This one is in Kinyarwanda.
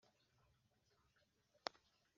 diyama mu bantu